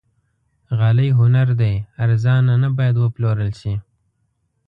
غالۍ هنر دی، ارزانه نه باید وپلورل شي.